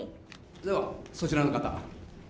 ではそちらの方。